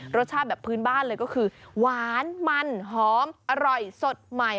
รสชาติแบบพื้นบ้านเลยก็คือหวานมันหอมอร่อยสดใหม่